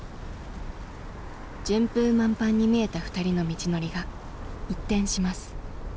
順風満帆に見えた２人の道のりが一転します。